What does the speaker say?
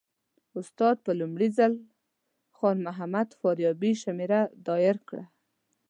استاد په لومړي ځل خان محمد فاریابي شمېره ډایل کړه.